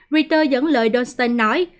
reuters dẫn lời donstein nói